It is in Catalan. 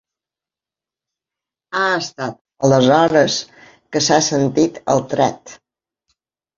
Ha estat aleshores que s’ha sentit el tret.